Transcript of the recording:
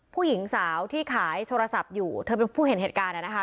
ผู้หญิงสาวที่ขายโทรศัพท์อยู่เธอเป็นผู้เห็นเหตุการณ์นะคะ